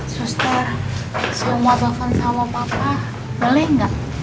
suster mau telfon sama papa boleh gak